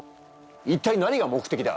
一体何が目的だ？